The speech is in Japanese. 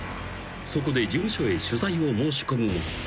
［そこで事務所へ取材を申し込むも］